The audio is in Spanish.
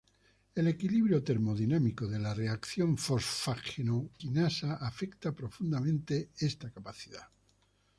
El equilibrio termodinámico de la reacción fosfágeno-quinasa afecta profundamente esta capacidad.